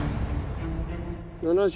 ７０。